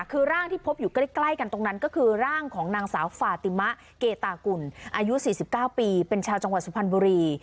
คือร่างที่พบอยู่ใกล้กันตรงนั้นก็คือร่างของนางสาวฟาติมะเกตากุลอายุ๔๙ปีเป็นชาวจังหวัดสุพรรณบุรี